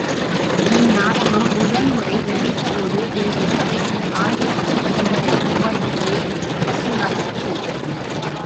இந் நாடகம் முதன் முறை நடித்த போது எங்கள் சபைக்கு ஆயிரத்துச் சில்லரை ரூபாய்க்கு மேல் வசூலாயிற்று.